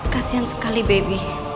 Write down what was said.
kasian sekali baby